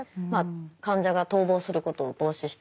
患者が逃亡することを防止した。